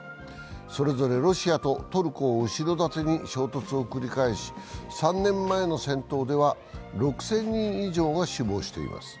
それぞれロシアとトルコを後ろ盾に衝突を繰り返し、３年前の戦闘では６０００人以上が死亡しています。